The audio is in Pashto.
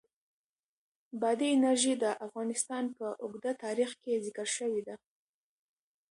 بادي انرژي د افغانستان په اوږده تاریخ کې ذکر شوې ده.